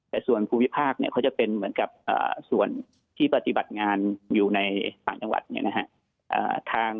แต่ส่วนภูมิภาคเขาจะเป็นเหมือนกับส่วนที่ปฏิบัติงานอยู่ในต่างจังหวัดเนี่ยนะฮะ